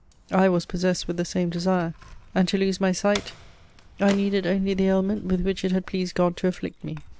I was possessed with the same desire, and to lose my sight I needed only the ailment with which it had pleased God to afflict me.